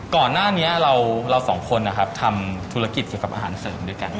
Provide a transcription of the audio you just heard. ก่อนหน้านี้เราสองคนนะครับทำธุรกิจเกี่ยวกับอาหารเสริมด้วยกัน